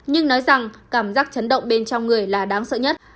nhưng nói rằng cảm giác chấn động bên trong người là đáng sợ nhất